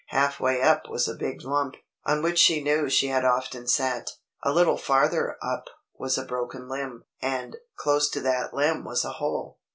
Half way up was a big lump, on which she knew she had often sat. A little farther up was a broken limb, and, close to that limb was a hole.